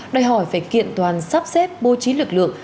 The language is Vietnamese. đòi hỏi phải kiện toàn sắp xếp bố trí lực lượng